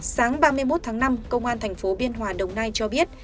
sáng ba mươi một tháng năm công an thành phố biên hòa đồng nai cho biết